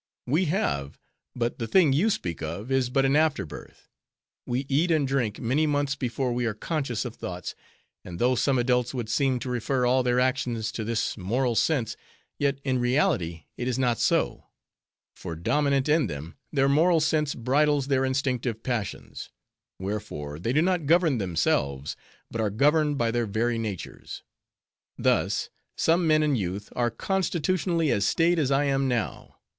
"We have. But the thing you speak of is but an after birth; we eat and drink many months before we are conscious of thoughts. And though some adults would seem to refer all their actions to this moral sense, yet, in reality, it is not so; for, dominant in them, their moral sense bridles their instinctive passions; wherefore, they do not govern themselves, but are governed by their very natures. Thus, some men in youth are constitutionally as staid as I am now.